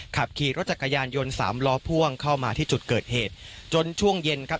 ขับขี่รถจักรยานยนต์สามล้อพ่วงเข้ามาที่จุดเกิดเหตุจนช่วงเย็นครับ